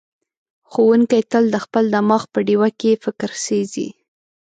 ښوونکی تل د خپل دماغ په ډیوه کې فکر سېځي.